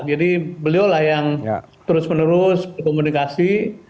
jadi beliulah yang terus menerus berkomunikasi